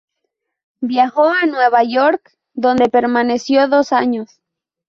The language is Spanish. Viajo a Nueva York, donde permaneció dos años.